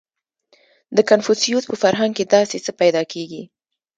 • د کنفوسیوس په فرهنګ کې داسې څه پیدا کېږي.